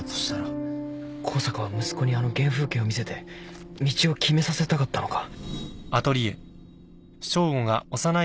向坂は息子にあの原風景を見せて道を決めさせたかったのか？